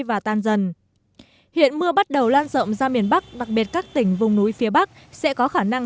và tan dần hiện mưa bắt đầu lan rộng ra miền bắc đặc biệt các tỉnh vùng núi phía bắc sẽ có khả năng